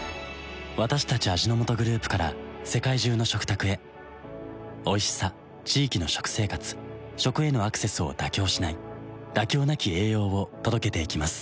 私たち味の素グループから世界中の食卓へおいしさ地域の食生活食へのアクセスを妥協しない「妥協なき栄養」を届けていきます